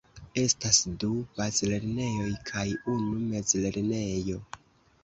Estas du bazlernejoj kaj unu mezlernejo.